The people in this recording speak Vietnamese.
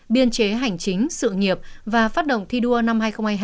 biên chế hành chính sự nghiệp và phát động thi đua năm hai nghìn hai mươi hai